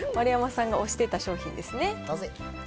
丸山さんが推していた商品ですね。